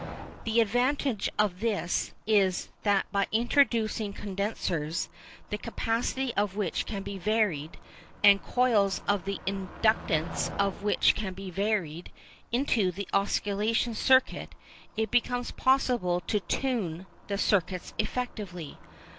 The advantage of this is that by introducing condensers the capacity of which can be varied, and coils the inductance of which can be varied, into the oscillation circuit it becomes possible to "tune" the circuits effectively.